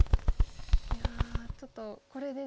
いやちょっとこれでですね